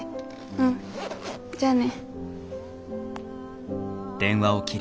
うんじゃあね。